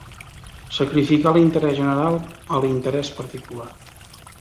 Sacrificar l'interès general a l'interès particular.